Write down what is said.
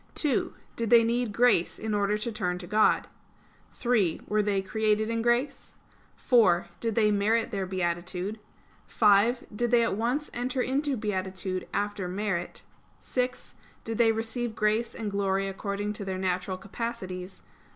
(2) Did they need grace in order to turn to God? (3) Were they created in grace? (4) Did they merit their beatitude? (5) Did they at once enter into beatitude after merit? (6) Did they receive grace and glory according to their natural capacities?